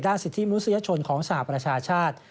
สิทธิมนุษยชนของสหประชาชาติ